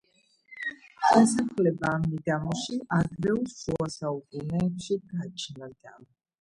დასახლება ამ მიდამოში ადრეულ შუასაუკუნეებში გაჩნდა.